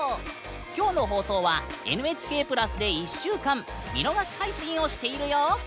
今日の放送は「ＮＨＫプラス」で１週間見逃し配信をしているよ！